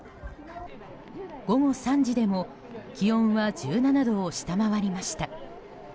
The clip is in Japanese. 午後３時でも気温は１７度を下回りました。